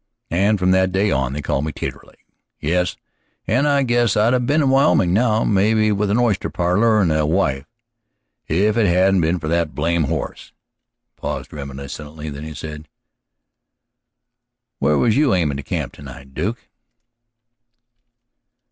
And from that day on they called me Taterleg. Yes, and I guess I'd 'a' been in Wyoming now, maybe with a oyster parlor and a wife, if it hadn't been for that blame horse." He paused reminiscently; then he said: "Where was you aimin' to camp tonight, Duke?"